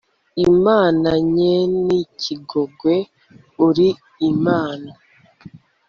imana nyen'ikigongwe, uri imana